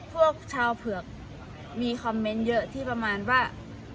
พวกชาวเผือกมีคอมเมนต์เยอะที่ประมาณว่า